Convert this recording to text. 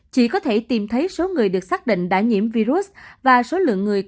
chỉ có thể tìm thấy số người được xác định đã nhiễm virus và số lượng người có nguy cơ lây nhiễm